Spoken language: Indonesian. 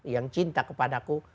yang cinta kepadaku